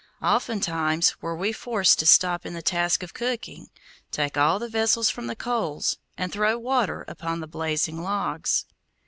Oftentimes were we forced to stop in the task of cooking, take all the vessels from the coals, and throw water upon the blazing logs.